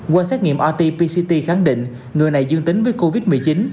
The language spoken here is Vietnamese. qua xét nghiệm rt pct khẳng định người này dương tính với covid một mươi chín